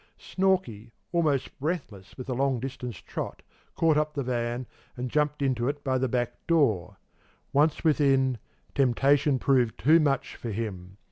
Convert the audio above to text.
Snorkey, almost breathless with a long distance trot, caught up the van, and jumped into it by the back "door." Once within, temptation proved too much for him.